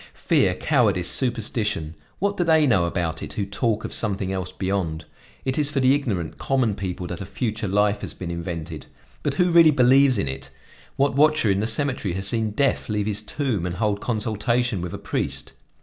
"Fear, cowardice, superstition! What do they know about it who talk of something else beyond? It is for the ignorant, common people that a future life has been invented, but who really believes in it? What watcher in the cemetery has seen Death leave his tomb and hold consultation with a priest?